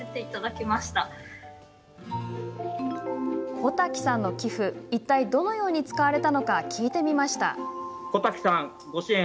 小滝さんの寄付いったいどのように使われたのか聞いてみました。